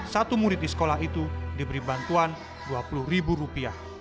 satu murid di sekolah itu diberi bantuan rp dua puluh